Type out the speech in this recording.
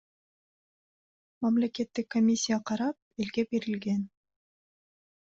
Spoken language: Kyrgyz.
Мамлекеттик комиссия карап, элге берилген.